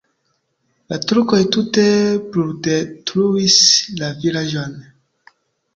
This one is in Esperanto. La turkoj tute bruldetruis la vilaĝon.